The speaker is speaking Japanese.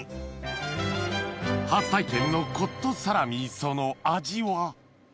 初体験のコットサラミその味は？